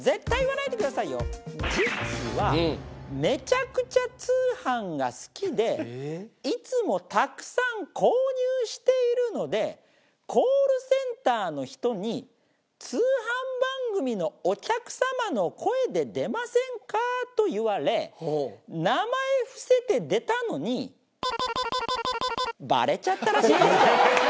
実はめちゃくちゃ通販が好きでいつもたくさん購入しているのでコールセンターの人に「通販番組のお客様の声で出ませんか？」と言われ名前伏せて出たのにバレちゃったらしいんですよ！